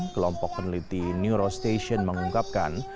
kelompok peneliti neurostation mengungkapkan